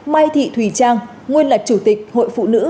mai thị thùy trang nguyên là chủ tịch hội phụ nữ